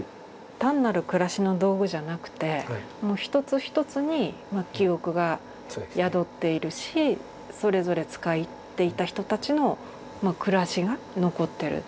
単なる暮らしの道具じゃなくて一つ一つに記憶が宿っているしそれぞれ使っていた人たちの暮らしが残ってる。